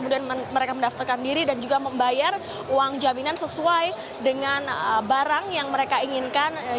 dan juga membayar uang jaminan sesuai dengan barang yang mereka inginkan